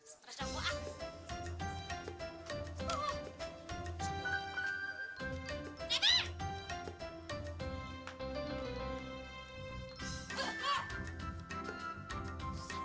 stres dah gue ah